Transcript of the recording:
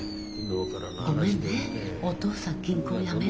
ごめんね。